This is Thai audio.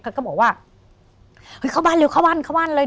ก็บอกว่าเฮ้ยเข้าบ้านเร็วเข้าบ้านเข้าบ้านเลย